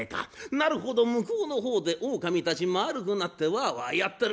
なるほど向こうの方で狼たちまるくなってわあわあやってる。